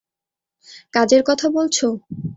কাজের কথা বলছ?